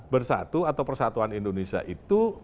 bersatu atau persatuan indonesia itu